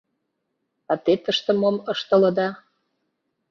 — А те тыште мом ыштылыда?